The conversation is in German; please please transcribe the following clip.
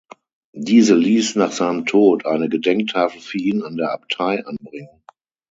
Diese liess nach seinem Tod eine Gedenktafel für ihn an der Abtei anbringen.